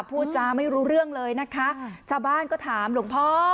พูดจาไม่รู้เรื่องเลยนะคะชาวบ้านก็ถามหลวงพ่อ